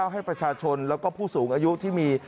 ให้ประชาชนแล้วก็ผู้สูงอายุที่มี